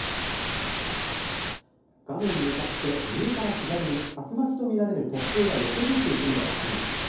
画面向かって右から左に、竜巻と見られる突風が横切っていくのが分かります。